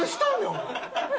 お前。